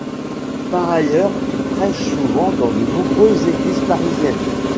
Par ailleurs il prêche souvent dans de nombreuses églises parisiennes.